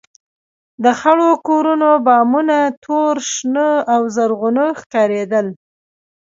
د خړو کورونو بامونه تور، شنه او زرغونه ښکارېدل.